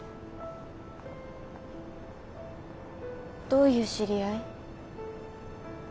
どういう知り合い？